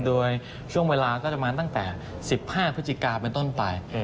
โดยช่วงเวลาก็จะมาตั้งแต่๑๕พฤศจิกาเป็นต้นไป